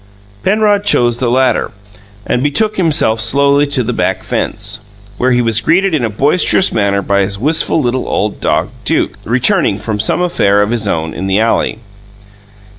Penrod chose the latter, and betook himself slowly to the back fence, where he was greeted in a boisterous manner by his wistful little old dog, Duke, returning from some affair of his own in the alley.